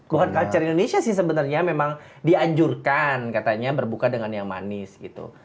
bukan culture indonesia sih sebenarnya memang dianjurkan katanya berbuka dengan yang manis gitu